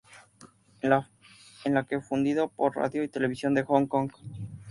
En la que fue difundido por Radio y Televisión de Hong Kong.